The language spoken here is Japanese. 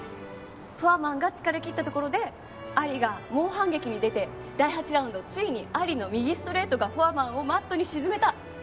フォアマンが疲れ切ったところでアリが猛反撃に出て第８ラウンドついにアリの右ストレートがフォアマンをマットに沈めた。